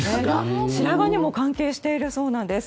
白髪にも関係しているそうなんです。